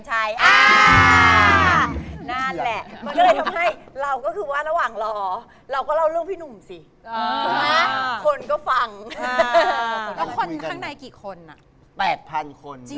จริงหรอเยอะขนาดนี้